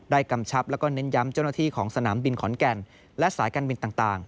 กำชับแล้วก็เน้นย้ำเจ้าหน้าที่ของสนามบินขอนแก่นและสายการบินต่าง